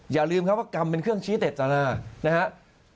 อย่าลืมครับว่ากรรมเป็นเครื่องชี้เจตนานะครับ